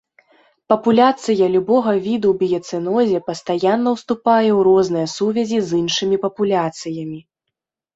Папуляцыя любога віду ў біяцэнозе пастаянна ўступае ў розныя сувязі з іншымі папуляцыямі.